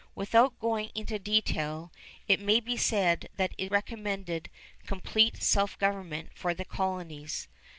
Without going into detail, it may be said that it recommended complete self government for the colonies.